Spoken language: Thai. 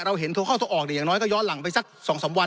เห็นโทรเข้าตัวออกเนี่ยอย่างน้อยก็ย้อนหลังไปสัก๒๓วัน